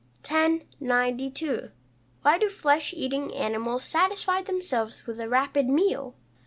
1092. _Why do flesh eating animals satisfy themselves with a rapid meal?